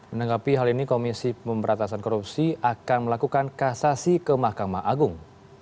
menanggapi hal ini komisi pemberantasan korupsi akan melakukan kasasi ke mahkamah agung